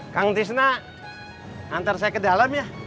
kang tisna antar saya ke dalam ya